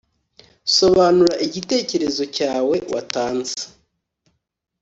Sobanura igitekerezo cyawe watanze